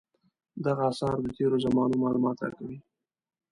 دغه اثار د تېرو زمانو معلومات راکوي.